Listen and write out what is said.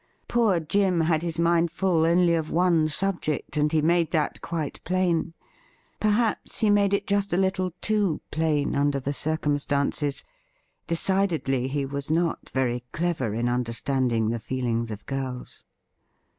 Poor Jim had his mind full only of one subject, and he made that quite plain. Perhaps he made it just a little too plain under the circumstances. Decidedly, he was not very clever in understanding the feelings of girls.